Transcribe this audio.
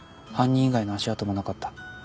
犯人以外の足跡もなかった。